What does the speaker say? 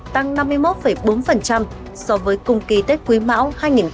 tăng năm mươi một bốn so với cùng kỳ tết quý mão hai nghìn hai mươi ba